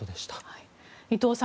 伊藤さん